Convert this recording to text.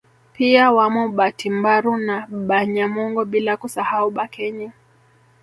Pia wapo Batimbaru na Banyamongo bila kusahau Bakenye